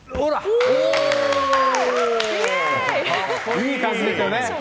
いい感じですよね？